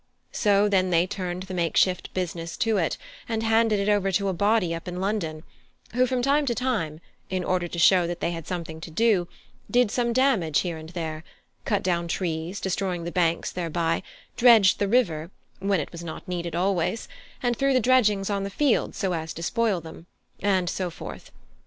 "So then they turned the makeshift business on to it, and handed it over to a body up in London, who from time to time, in order to show that they had something to do, did some damage here and there, cut down trees, destroying the banks thereby; dredged the river (where it was not needed always), and threw the dredgings on the fields so as to spoil them; and so forth.